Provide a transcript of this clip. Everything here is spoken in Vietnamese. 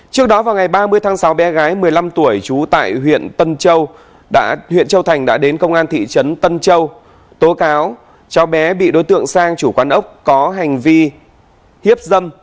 trước đó vào ngày ba mươi tháng sáu bé gái một mươi năm tuổi trú tại huyện tân châu huyện châu thành đã đến công an thị trấn tân châu tố cáo cháu bé bị đối tượng sang chủ quán ốc có hành vi hiếp dâm